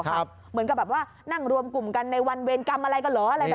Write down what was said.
เหมือนกับว่านั่งรวมกลุ่มกันในวันเวรกรรมอะไรก็เหรอ